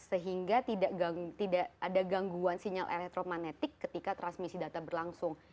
sehingga tidak ada gangguan sinyal elektromagnetik ketika transmisi data berlangsung